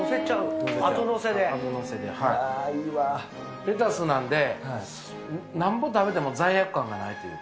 レタスなんで、なんぼ食べても罪悪感がないというか。